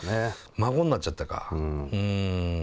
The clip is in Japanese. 孫になっちゃったかうん。